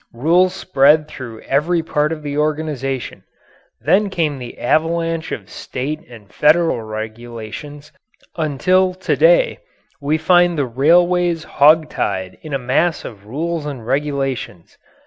Rules spread through every part of the organization. Then came the avalanche of state and federal regulations, until to day we find the railways hog tied in a mass of rules and regulations.